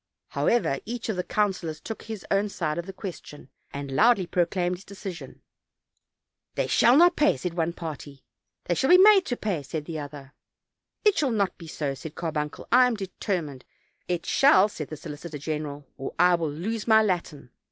However, each of the councilors took his own side of the question, and loudly proclaimed his decision. "They shall not pay," said one party; "They shall be made to pay," said the other. "It shall not be so," said Carbuncle, "I am determined." "It shall,"said the solicitor general, "or I will lose my Latin."